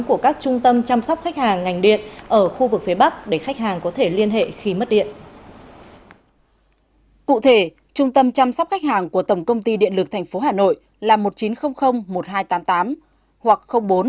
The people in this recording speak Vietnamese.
cụ thể trung tâm chăm sóc khách hàng của tổng công ty điện lực tp hà nội là một chín không không một hai tám tám hoặc bốn hai hai hai hai hai không không không